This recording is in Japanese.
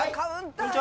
こんにちは！